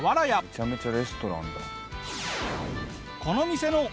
めちゃめちゃレストランだ。